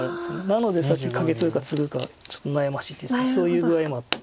なのでさっきカケツグかツグかちょっと悩ましいって言ってたのはそういう具合もあって。